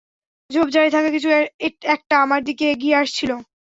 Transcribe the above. ঝোপঝাড়ে থাকা কিছু একটা আমাদের দিকে এগিয়ে আসছিল।